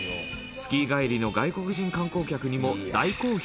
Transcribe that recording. スキー帰りの外国人観光客にも大好評